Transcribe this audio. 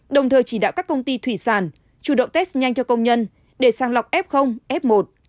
đồng thời chỉ đạo các công ty thủy sản chủ động test nhanh cho công nhân để sang lọc f f một